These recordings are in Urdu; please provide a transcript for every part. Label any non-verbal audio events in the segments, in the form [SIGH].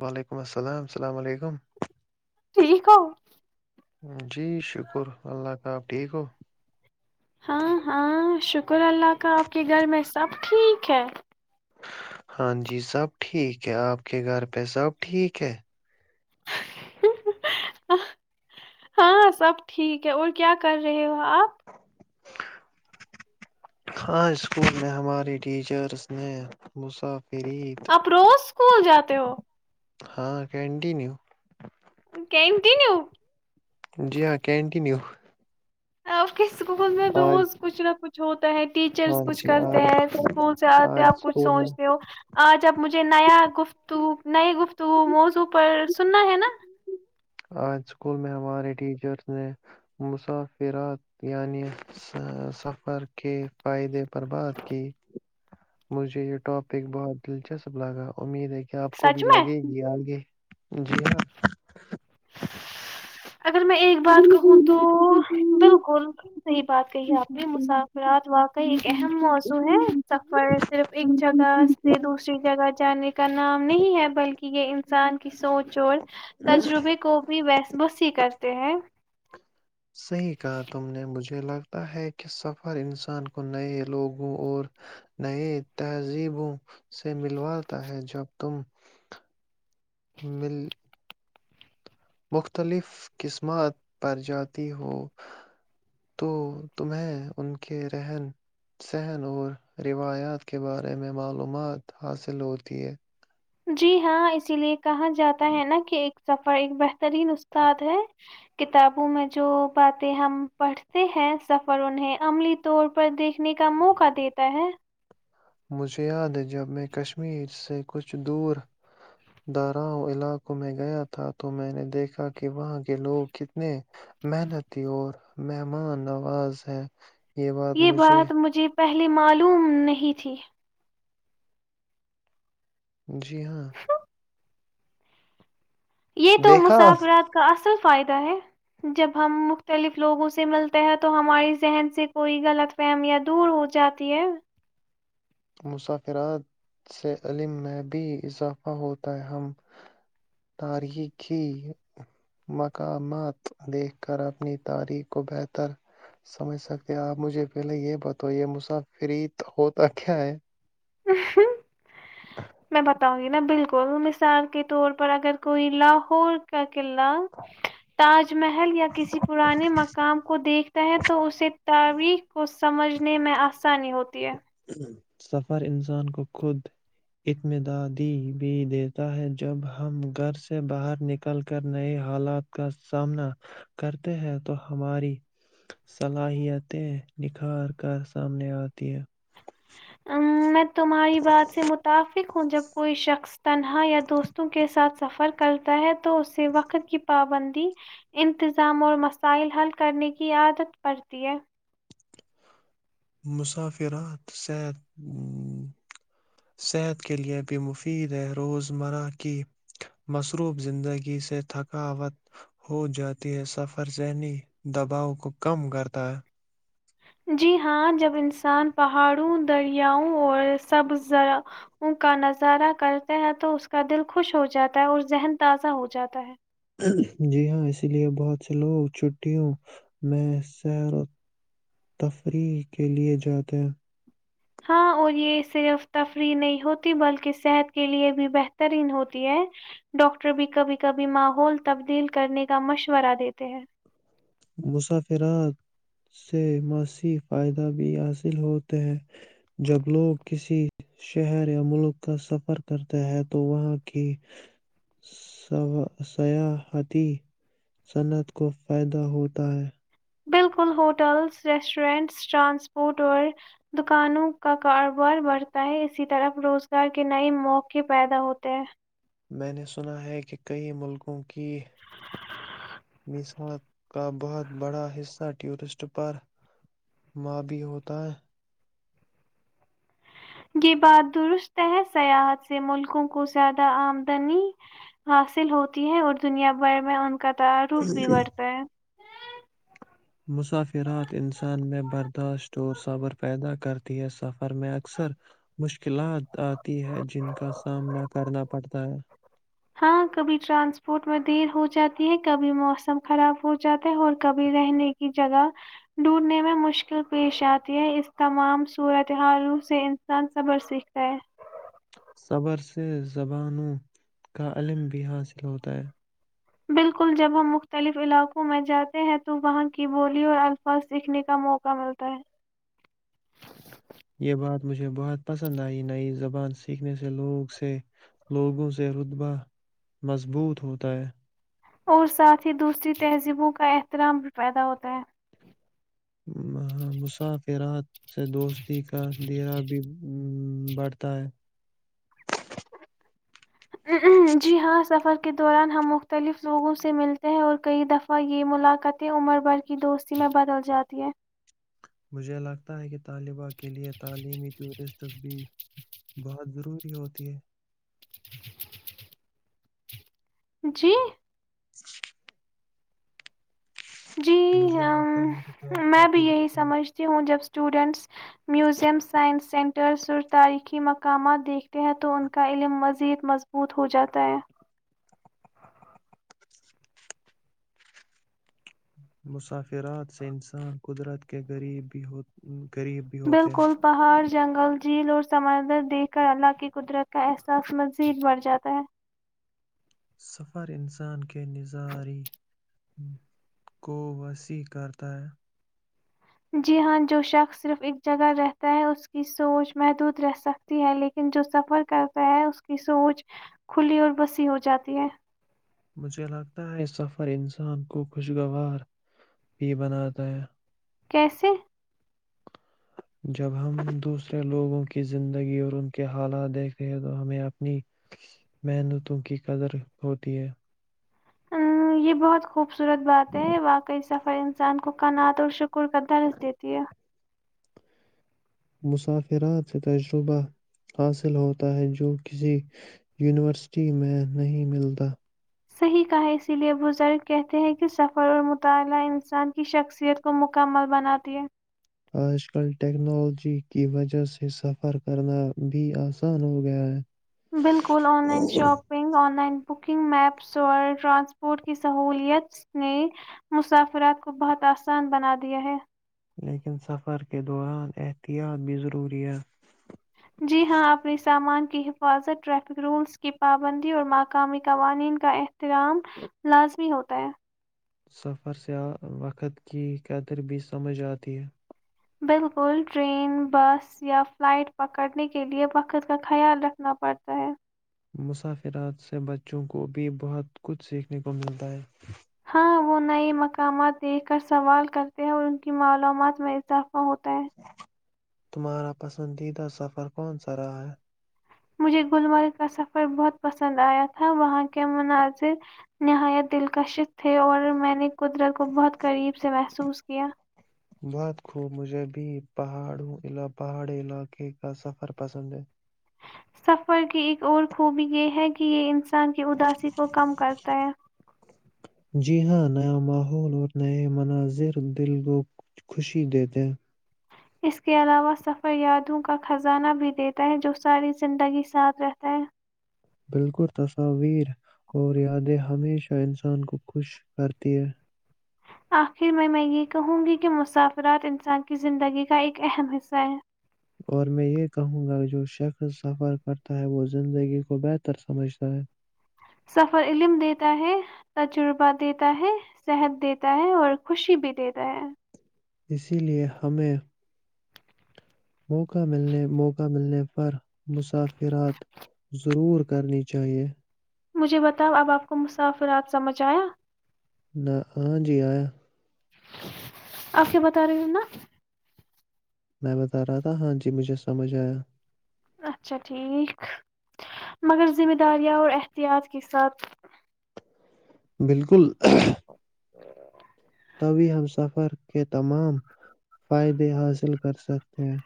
وعلیکم السلام السلام علیکم ٹھیک ہو جی شکر اللہ کا آپ ٹھیک ہو ہاں ہاں شکر اللہ کا آپ کے گھر میں سب ٹھیک ہے ہاں جی سب ٹھیک ہے آپ کے گھر پہ سب ٹھیک ہے ہاں سب ٹھیک ہے اور کیا کر رہے ہو آپ ہاں اسکول میں ہماری ٹیچرس نے مساف آپ روز اسکول جاتے دوو ہاں کینٹیینیو کہمتی نی ہو جی ہاں کینٹینیو [UNINTELLIGIBLE] ا [INAUDIBLE] سکولز میں روز کچھ نہ کچھ [UNINTELLIGIBLE] چ [INAUDIBLE] ہاں ٹیچرس کچھ جی کرتے آج ہیں اسکول سے آتے آج آپ کچھ اسکول میں سوچتے ہو آج آپ مجھے [UNINTELLIGIBLE] مجھے نیا گفتگو نئے گفتگو موضوع پر سننا ہے نا [UNINTELLIGIBLE] آج اسکول میں ہمارے ٹیچرس نے مسافرات یعنی سفر کے فائدے پر بات کی مجھے یہ ٹاپک بہت دلچسپ لگا امید ہے کہ [UNINTELLIGIBLE] آپ کو بھی سچ میں لگے گی آگے [UNINTELLIGIBLE] جی ہاں [UNINTELLIGIBLE] اگر میں ایک بات کہوں تو بالکل [UNINTELLIGIBLE] صحی بات کہی ہے آپ نے مسافرات واقعی ایک اہم موضوع ہے سفر صرف ایک جگہ سے دوسری جگہ جانے کا نام نہیں ہے بلکہ یہ انسان کی سوچ اور تجربے کو بھی ویس [UNINTELLIGIBLE] بس یہ کرتے ہیں [INAUDIBLE] صحیح کہا تم نے مجھے لگتا ہے کہ سفر انسان کو نئے لوگوں اور نئے تہذیبوں سے ملواتا ہے جب تم مل [UNINTELLIGIBLE] مختلف قسمات پر جاتی ہو تو تمیں ان کے رہن سہن اور روایات کے بارے میں معلومات حاصل ہوتی ہے [UNINTELLIGIBLE] جی ہاں اسی لیے کہا جاتا ہے نا کہ ایک سفر ایک بتر [UNINTELLIGIBLE] ترین استاد ہے [INAUDIBLE] کتابوں میں جو باتیں ہم پڑھتے ہیں سفر انہیں عملی طور پر دیکھنے کا موقع دیتا ہے [UNINTELLIGIBLE] مجھے یاد ہے جب میں کشمیر سے کچھ دور داراؤں علاقوں میں گیا تھا تو میں نے دیکھا کہ وہاں کے لوگ کتنے محنتی اور مہمان نواز ہیں [UNINTELLIGIBLE] یہ بات مجھے [UNINTELLIGIBLE] پہلے معلوم نہیں تھی جی ہاں [UNINTELLIGIBLE] یہی تو آ دیکھا مسافرات کاہ اصل [UNINTELLIGIBLE] فائدہ ہے جب ہم مختلف لوگوں سے ملتے ہیں تو ہماراری ذہن سے کوئی غلط فہمیاں دور ہو جاتی ہے [UNINTELLIGIBLE] مسافرات سے علم میں بھی اضافہ ہوتا ہے ہم تاریخی مقامات دیکھ کر اپنی تاریخ کو بہتر سمجھ سکتے ہیں آپ مجھے پہلے یہ بت یہ مسافریت ہوتا کائے میں بتاؤں گی نا بالکل مثال کے طور پر اگر کوئی لاہور کا قلا تاج محل یا کسی پرانے مقام کو دیکھتا ہے تو اسے تاریخ کو سمجھنے میں آسانی ہوتی ہے سفر انسان کو خود اتمدادی بھی دیتا ہے جب ہم گھر سے باہر نکل کر نئے حالات کا سامنا کرتے ہیں تو ہماری صلاحیتیں نکھار کر سامنے آتی ہے مت [INAUDIBLE] تمہاری بات سے متفق ہوں جب کوئی شخص تنہا یا دوستوں کے ساتھ سفر کرتا ہے تو سے وقت کی پابندی انتظام اور مسائل حل کرنے کی عادت پڑتی ہے مسافرات صحت کیلئے بھی مفید ہے روزمرہ کی مصروف زندگی سے تھکاوت ہو جاتی ہے سفر ذہنی دباؤ کو کم کرتا ہے جی ہاں جب انسان پہاڑوں دریاؤوں اور سب زر کا نظارہ کرتے ہیں تو اس کا دل خوش ہو جاتا ہے اور ذہن تازہ ہو جاتا ہے جی ہاں اسی لیے بہت سے لوگ چھٹیوں میں سیر و تفریح کے لیے جاتے ہیں ہاں اور یہ صرف تفریح نہیں ہوتی بلکہ صحت کے لیئے بھی بہترین ہوتی ہے ڈاکٹر بھی کبھی کبھی ماحول تبدیل کرنے کا مشورہ دیتے ہیں مسافرات سے ماسی فائدہ بھی حاصل ہوتے ہیں جب لوگ کسی شہر یا ملک کا سفر کرتے ہیں تو وہاں کی سیاحتی صنعت کو فائدہ ہوتا ہے [INAUDIBLE] بالکل ہوٹلز ریسٹورنٹس ٹرانسپورٹ اور دکانوں کا کاروبار بڑھتا ہے اسی طرف روزگار کے نئے موقعے پیدا ہوتے ہیں میں نے سنا ہے کہ کئی ملکوں کی مثاب کا بہت بڑا حصہ ٹورسٹ پر مابی ہوتا ہے یہ بات درست ہے سیاحت سے ملکوں کو زیادہ آمدنی حاصل ہوتی ہے اور دنیا بھر میں ان کاتا روف بھی ہے بڑھتا ہے ٹور صبر پیدا کرتی ہے سفر میں اکثر مشکلات آتی ہے جو جن کا سامنا کرنا پڑھتا ہے ہاں کبھی ٹرانسپورٹ میں دیر ہو جاتی ہے کبھی موسم خراب ہو جاتا ہے اور کبھی رہنے کی جگہ ڈونڈنے میں مشکل پیش آتی ہے اس تمام صورتحالوں سے انسان صبر سیکھتا ہے صبر سے زبانوں کا علم بھی حاصل ہوتا ہے بالکل جب ہم مختلف علاقوں میں جاتے ہیں تو وہاں کی بولی اور الفاظ سیکھنے کا موقع ملتا ہے یہ بات مجھے بہت پسند آئی نئی زبان سیکھنے سے لوگ سے لوگوں سے رتبہ مضبوط ہوتا ہے اور ساتھ ہی دوسری تہذیبوں کا احترام بھی پیدا ہوتا ہے مسافرات سے دوستی کا درا بھی بڑھتا ہے جی ہاں سفر کے دوران ہم مختلف لوگوں سے ملتے ہیں اور کئی دفعہ یہ ملاقاتیں عمر بھر کی دوستی میں بدل جاتی ہیں مجھے لگتا ہے کہ طالبہ کے لیے تعلیمی ٹیورسٹس بھی بہت ضروری ہوتی ہے جی [INAUDIBLE] جی مجھے لگتا ہے کہ طالبہ میں بھی کے لیے یہی تو سمجھتی ہوں جب اسٹوڈینٹس میوزیم سائنس سینٹرس اور تاریخی مقامات دیکھتے ہیں تو ان کا علم مزید مضبوط ہو جاتا ہے مسافرات سے انسان قدرت کے غریب بھی غریب بھی ہوتے ہیں بالکل پہاڑ جنگل جھیل اور سمندر دیکھ کر اللہ کی قدرت کا احساس مزید بڑھ جاتا ہے سفر انسان کے نظاری کو وسیع کرتا ہے جی ہاں جو شخص صرف ایک جگہ رہتا ہے اس کی سوچ محدود رہ سکتی ہے لیکن جو سفر کرتا ہے اس کی سوچ کھلی اور بسی ہو جاتی ہے مجھے لگتا ہے یہ سفر انسان کو خوشگوار بھی بناتا ہے کیسے جب ہم دوسرے لوگوں کی زندگی اور ان کے حالات دیکھتے ہیں تو ہمیں اپنی محنتوں کی قدر ہوتی ہے یہ بہت خوب خوبصورت بات ہے واقعی سفر انسان کو کنعات اور شکر کا درس دیتی ہے [INAUDIBLE] مسافرات سے تجربہ حاصل ہوتا ہے جو کسی یونیورسٹی میں نہیں ملتا صحیح کہیں اسی لئے بزرگ کہتے ہیں کہ سفر اور مطالعہ انسان کی شخصیت کو مکمل بناتی ہیں آج کل ٹیکنالوجی کی وجہ سے سفر کرنا بھی آسان ہو گیا ہے بالکل online shopping online booking maps اور ٹرانسپورٹ کی سہولت نے مسافرات کو بہت آسان بنا دیا ہے لیکن سفر کے دوران احتیاط بھی ضروری ہے جی ہاں اپنے سامان کی حفاظت ٹریفک رولز کی پابندی اور مقامی قوانین کا احترام لازمی ہوتا ہے سفر سے وقت کی قدر بھی سمجھ آتی ہے بالکل ٹرین بس یا فلائٹ پکڑنے کے لے وقت کا خیال رکھنا پڑتا ہے مسافرات سے بچوں کو بھی بہت کچھ سیکھنے کو ملتا ہے ہاں وہ نئے مقامات دیکھ کر سوال کرتے ہیں اور ان کی معلومات میں اضافہ ہوتا ہے تمہارا پسندیدہ سفر کون سا رہا ہے؟ مجھے گلمرگ کا سفر بہت پسند آیا تھا وہاں کے مناظر نہایت دلکشش تھے اور میں نے قدرت کو بہت قریب سے محسوس کیا بہت خوب مجھے بھی پہاڑوں پہاڑی علاقے کا سفر پسند ہے سفر کی ایک اور خوبی یہ ہے کہ یہ ان انسان کی اداسی کو کم کرتا ہے جی ہاں نیا ماحول اور نئے مناظر دل کو خوشی دیتے ہیں اس کے علاوہ سفر یادوں کا خزانہ بھی دیتا ہے جو ساری زندگی ساتھ رہتا ہے بالکل تصاویر اور یادیں ہمیشہ انسان کو خوش کرتی ہیں [INAUDIBLE] آخر میں میں یہ کہوں گی کہ مسافرات انسان کی زندگی کا ایک اہم حصہ ہیں [INAUDIBLE] اور میں یہ کہوں گا جو شخص سفر کرتا ہے وہ زندگی کو بہتر سمجھتا ہے سفر علم دیتا ہے تجربہ دیتا ہے صحت دیتا ہے اور خوشی بھی دیتا ہے اسی لیے ہمیں [INAUDIBLE] موقع ملنے موقع ملنے پر مسافرات ضرور کرنی چاہیئے [INAUDIBLE] مجھے بتاؤ اب آپ کو مسافرات سمجھ آیا [INAUDIBLE] نہ ہاں جی آیا آپ کیا بتا رہی ہو نا [INAUDIBLE] میں بتا رہا تھا ہاں جی مجھے سمجھ آیا اچھا ٹھیک مگر ذم داریاں اور احتیاط کے ساتھ بالکل [INAUDIBLE] تبھی ہم سفر کے تمام فائدے حاصل کر سکتے ہیں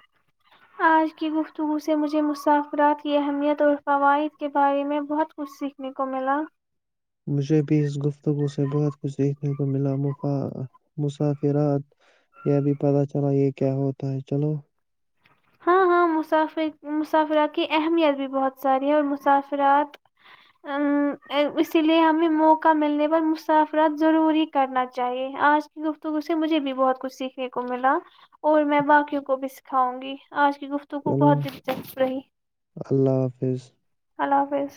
آج کی گفتگو سے مجھے مسافرات کی اہمیت اور فوائد کے بارے میں بہت کچھ سیکھنے کو ملا مجھے بھی اس گفتگو سے بہت کچھ سیکھنے کو ملا مسافرات یہ بھی پتہ چلا یہ کیا ہوتا ہے چلو ہاں ہاں مسافر مسافرات کی اہمیت بھی بہت ساری اور مسافرات [INAUDIBLE] اسی لیے ہمیں موقع ملنے پر مسافرات ضرور ہی کرنا چاہیے آج کی گفتگو سے مجھے بھی بہت کچھ سیکھنے کو ملا اور میں باقیوں کو بھی سکھاؤں گی [INAUDIBLE] چلو بہت دلچسپ رہی اللہ حافظ اللہ حافظ